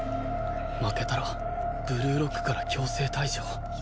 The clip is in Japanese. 負けたらブルーロックから強制退場